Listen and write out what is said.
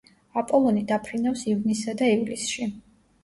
აპოლონი დაფრინავს ივნისსა და ივლისში.